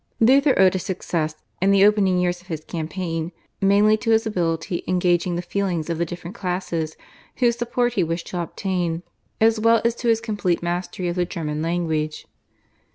Luther owed his success in the opening years of his campaign mainly to his ability in gauging the feelings of the different classes whose support he wished to obtain, as well as to his complete mastery of the German language.